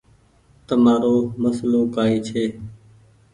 تمآرو مسلو ڪآئي ڇي۔